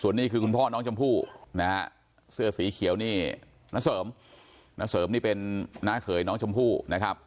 ส่วนนี้คุณพ่อน้องชมพู่เสื้อสีเขียวนี่น้าเสริมน้าเสริมนี่เป็นนาเขยน้องชมพู่นะครับ